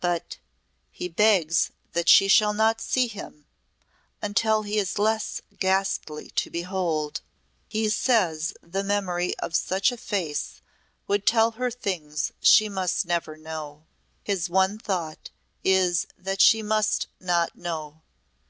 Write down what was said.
"But he begs that she shall not see him until he is less ghastly to behold. He says the memory of such a face would tell her things she must never know. His one thought is that she must not know.